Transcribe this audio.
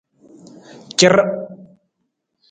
Car.